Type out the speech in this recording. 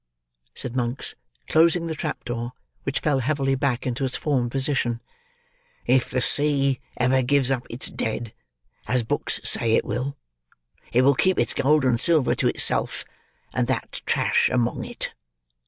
said Monks, closing the trap door, which fell heavily back into its former position. "If the sea ever gives up its dead, as books say it will, it will keep its gold and silver to itself, and that trash among it.